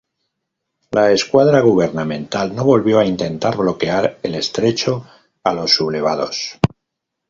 La escuadra gubernamental no volvió a intentar bloquear el Estrecho a los sublevados.